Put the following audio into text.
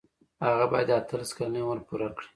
هغه باید د اتلس کلنۍ عمر پوره کړي.